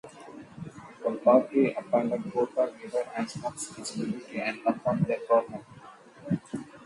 The party appointed Botha leader and Smuts his deputy, and confirmed their government.